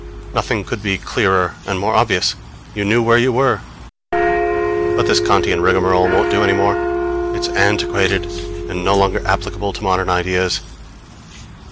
Nothing could be clearer and more obvious! You knew where you were. But this Kantian rigmarole won't do any more: it's antiquated and no longer applicable to modern ideas.